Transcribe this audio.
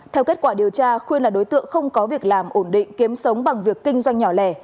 theo kết quả điều tra khuyên là đối tượng không có việc làm ổn định kiếm sống bằng việc kinh doanh nhỏ lẻ